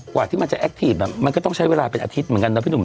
ที่มันจะแอคทีฟมันก็ต้องใช้เวลาเป็นอาทิตย์เหมือนกันนะพี่หนุ่ม